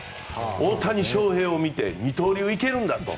大谷翔平を見て二刀流、いけるんだと。